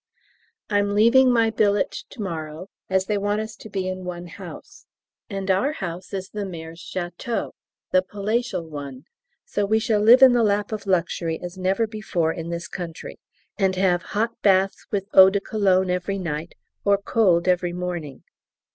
I'm leaving my billet to morrow, as they want us to be in one house. And our house is the Maire's Château, the palatial one, so we shall live in the lap of luxury as never before in this country! And have hot baths with eau de Cologne every night, or cold every morning.